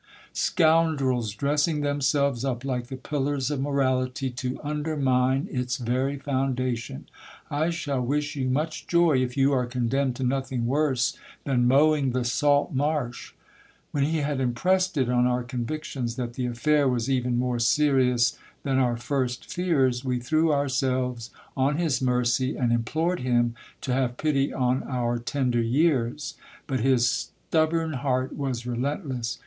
Scoundrels dressing them selves up like the pillars of morality to undermine its very foundation ! I shall wish you much joy if you are condemned to nothing worse than . mowing the salt marsh. When he had impressed it on our convictions that the affair was even more serious than our first fears, we thre * ourselves on his mercy, and implored him to have pity on our tender years, but his stubborn heart was relent less.